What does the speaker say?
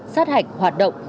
sát hạch hoạt động